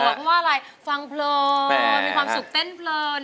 เพราะว่าอะไรฟังเพลินมีความสุขเต้นเพลิน